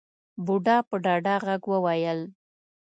بوډا په ډاډه غږ وويل.